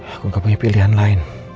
aku nggak punya pilihan lain